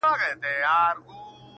جهاني به په لحد کي وي هېر سوی!.